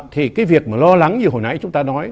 thì cái việc mà lo lắng nhiều hồi nãy chúng ta nói